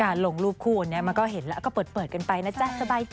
ลงรูปคู่อันนี้มันก็เห็นแล้วก็เปิดกันไปนะจ๊ะสบายใจ